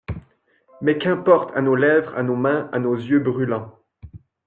Mais qu'importe à nos lèvres, à nos mains, à nos yeux brûlants?